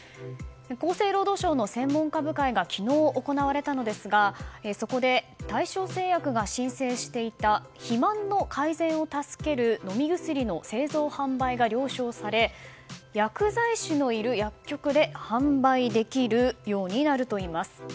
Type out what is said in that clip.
厚生労働省の専門家部会が昨日、行われたのですがそこで大正製薬が申請していた肥満の改善を助ける飲み薬の製造・販売が了承され薬剤師のいる薬局で販売できるようになるといいます。